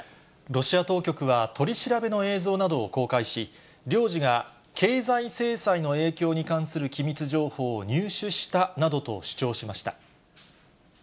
ロシア当局は、取り調べの映像などを公開し、領事が経済制裁の影響に関する機密情報を入手したなどと主張しま